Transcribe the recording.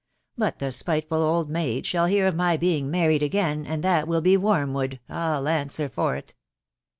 9nt4he spiteful old maid shall hear of my Wing married again, and that will be worm wood, 111 answer for it."